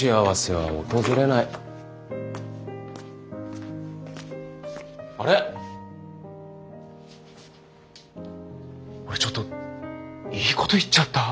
あれ俺ちょっといいこと言っちゃった？